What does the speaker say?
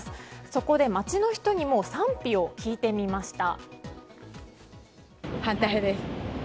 そこで街の人にも賛否を聞いてみました。